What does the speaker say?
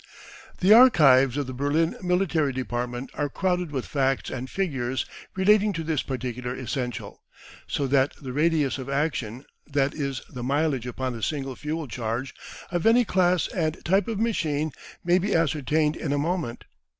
The archives of the Berlin military department are crowded with facts and figures relating to this particular essential, so that the radius of action, that is the mileage upon a single fuel charge, of any class and type of machine may be ascertained in a moment.